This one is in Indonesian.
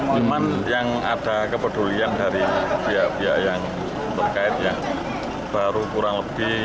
cuman yang ada kepedulian dari biaya biaya yang berkait yang baru kurang lebih